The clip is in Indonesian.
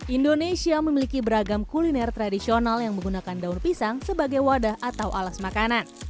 indonesia memiliki beragam kuliner tradisional yang menggunakan daun pisang sebagai wadah atau alas makanan